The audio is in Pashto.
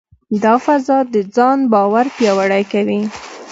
دا فضا د ځان باور پیاوړې کوي.